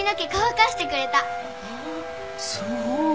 ああそう。